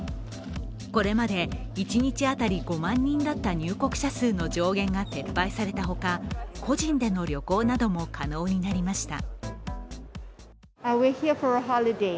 これまで一日当たり５万人だった入国者数の上限が撤廃されたほか、個人での旅行なども可能になりました。